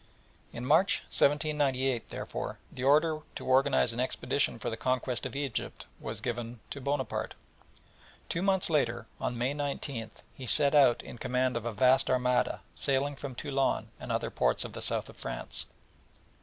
In March, 1798, therefore, the order to organise an expedition for the conquest of Egypt was given to Bonaparte, and two months later, on May 19th, he set out in command of a vast armada, sailing from Toulon and other ports of the south of France.